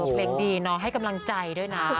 เพลงดีเนาะให้กำลังใจด้วยนะ